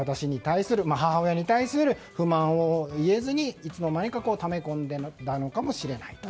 母親に対する不満を言えずにいつの間にかため込んでいたのかもしれない。